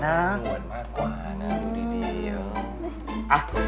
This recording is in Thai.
หนวดมากกว่านะดูดีอ่ะ